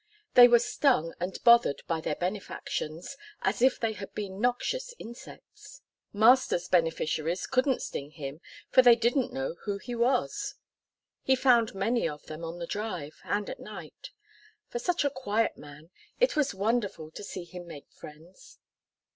They were stung and bothered by their benefactions as if they had been noxious insects. Master's beneficiaries couldn't sting him, for they didn't know who he was. He found many of them on the Drive, and at night. For such a quiet man, it was wonderful to see him make friends.